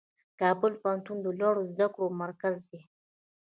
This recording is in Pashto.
کابل پوهنتون د لوړو زده کړو مرکز دی.